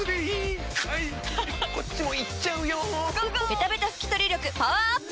ベタベタ拭き取り力パワーアップ！